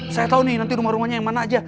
saya tahu nih nanti rumah rumahnya yang mana aja